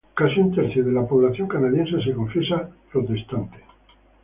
Casi un tercio de la población canadiense se confiesa protestante.